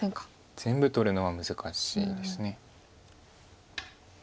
全部取るのは難しいです。